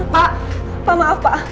pak pak maaf pak